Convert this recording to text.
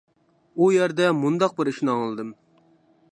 ئۇ يەردە مۇنداق بىر ئىشنى ئاڭلىدىم.